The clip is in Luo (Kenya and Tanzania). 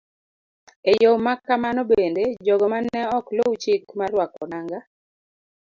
E yo ma kamano bende, jogo ma ne ok luw chik mar rwako nanga,